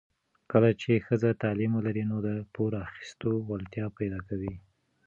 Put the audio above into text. کله چې ښځه تعلیم ولري، نو د پور اخیستو وړتیا پیدا کوي.